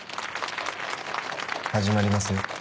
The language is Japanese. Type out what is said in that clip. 始まりますよ。